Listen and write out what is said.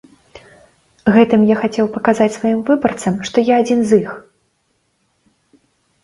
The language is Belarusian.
Гэтым я хацеў паказаць сваім выбарцам, што я адзін з іх.